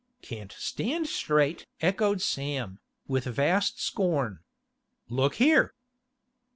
'Can't stand straight!' echoed Sam, with vast scorn. 'Look here!